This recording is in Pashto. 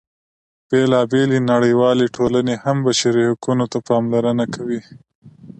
بېلا بېلې نړیوالې ټولنې هم بشري حقونو ته پاملرنه کوي.